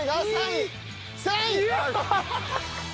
３位！